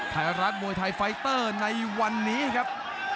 ไทยรัฐมวยไทยไฟเตอร์ในวันนี้ครับ